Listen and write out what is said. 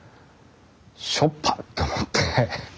しょっぱって思って。